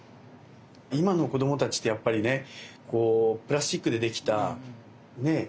今の子供たちってやっぱりねこうプラスチックでできたねえ